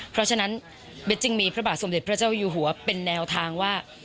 เพราะฉะนั้นเบสจึงมีพระบาทสมเด็จพระเจ้าอยู่หัวเป็นแนวทางว่า